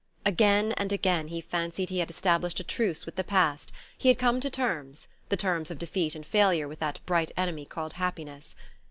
Again and again he fancied he had established a truce with the past: had come to terms the terms of defeat and failure with that bright enemy called happiness.